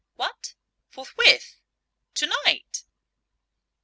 What! forthwith? tonight?